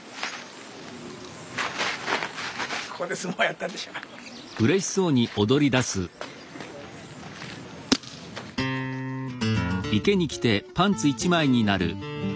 ここで相撲やったってしょうがない。